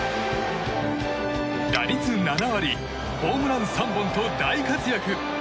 打率７割ホームラン３本と大活躍。